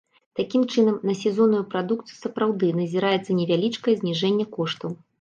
Такім чынам, на сезонную прадукцыю сапраўды назіраецца невялічкае зніжэнне коштаў.